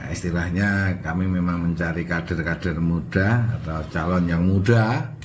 istilahnya kami memang mencari kader kader muda atau calon yang muda